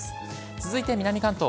続いて南関東。